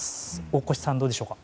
大越さん、どうでしょうか。